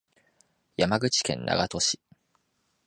山口県長門市